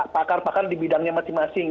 pakar pakar di bidangnya masing masing